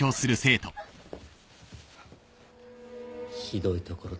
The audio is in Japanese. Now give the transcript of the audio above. ひどい所だ。